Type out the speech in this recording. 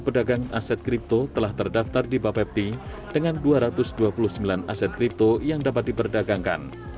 dua puluh pedagang aset kripto telah terdaftar di bapepti dengan dua ratus dua puluh sembilan aset kripto yang dapat diperdagangkan